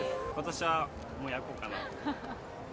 私はもう焼こうかなと。